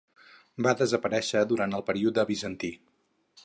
Va desaparèixer durant el període bizantí.